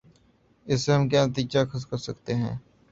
اس سے ہم کیا نتیجہ اخذ کر سکتے ہیں۔